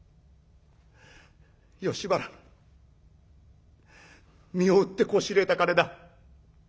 吉原身を売ってこしれえた金だ。